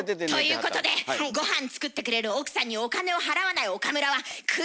ということでごはん作ってくれる奥さんにお金を払わない岡村は食い逃げです。